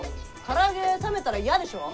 から揚げ冷めたら嫌でしょ？